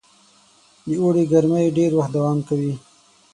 د اوړي ګرمۍ ډېر وخت دوام کوي.